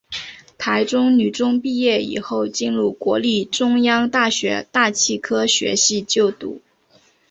台中女中毕业以后进入国立中央大学大气科学系就读。